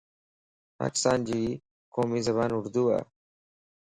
پاڪستانَ جي قومي زبان اردو ءَ.